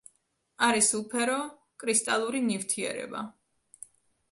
არის უფერო კრისტალური ნივთიერება.